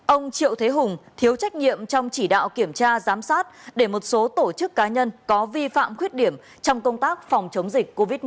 ông triệu thế hùng thiếu trách nhiệm trong chỉ đạo kiểm tra giám sát để một số tổ chức cá nhân có vi phạm khuyết điểm trong công tác phòng chống dịch covid một mươi chín